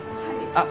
・あっ